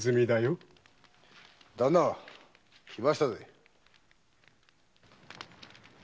旦那来ましたぜ。